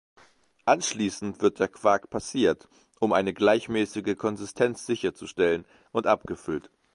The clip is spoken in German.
Anschließend wird der Quark passiert, um eine gleichmäßige Konsistenz sicherzustellen, und abgefüllt.